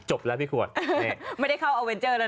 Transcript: จบแล้วพี่ขวดไม่ได้เข้าอัเวนเจอร์แล้ว